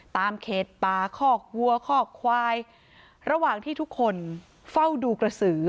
เขตป่าคอกวัวคอกควายระหว่างที่ทุกคนเฝ้าดูกระสือ